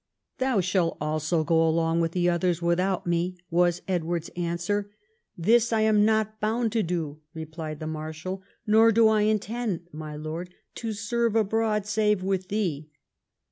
— "Thou shalt also go along with the others without me," was Edward's answer. " This I am not bound to do," replied the Marshal ;" nor do I in tend, my lord, to serve abroad save with thee."